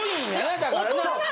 だからな。